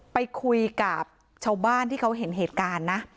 ไปคุยกับชาวบ้านที่เขาเห็นเหตุการณ์นะ